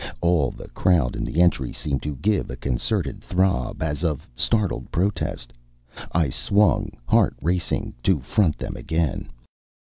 All the crowd in the entry seemed to give a concerted throb, as of startled protest. I swung, heart racing, to front them again.